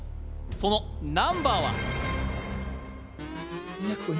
そのナンバーは？